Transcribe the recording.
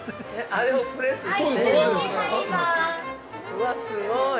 ◆うわっ、すごーい。